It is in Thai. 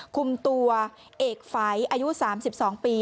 คุมตัวเอกฝัยอายุ๓๒ปี